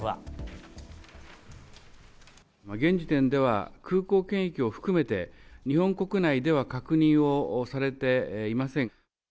現時点では、空港検疫を含めて、日本国内では確認をされていません。